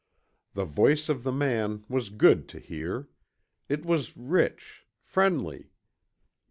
The voice of the man was good to hear. It was rich, friendly.